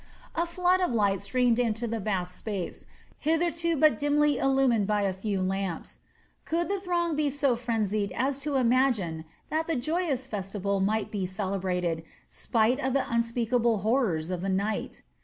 A flood of light streamed into the vast space, hitherto but dimly illumined by a few lamps. Could the throng be so frenzied as to imagine that the joyous festival might be celebrated, spite of the unspeakable horrors of the night.